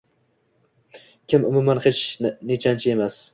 kim umuman “hech nechanchi emas”